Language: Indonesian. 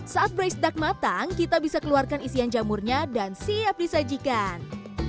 saat brace duck matang kita bisa keluarkan isian jamurnya dan siap disajikan